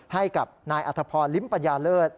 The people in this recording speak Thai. ให้กับนายอัธพรลิ้มปัญญาเลิศ